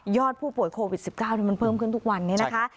ผู้ป่วยโควิด๑๙มันเพิ่มขึ้นทุกวันนี้นะคะ